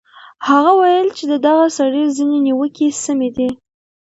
هغه ویل چې د دغه سړي ځینې نیوکې سمې دي.